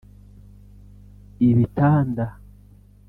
ibitanda